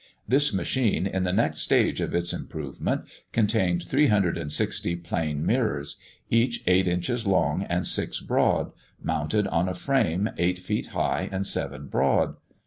This machine, in the next stage of its improvement, contained 360 plane mirrors, each eight inches long and six broad, mounted on a frame eight feet high and seven broad.